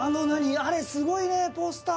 あれすごいねポスター